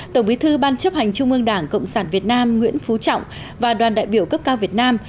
tổng bí thư ban chấp hành trung ương đảng cộng sản việt nam nguyễn phú trọng và đoàn đại biểu cấp cao việt nam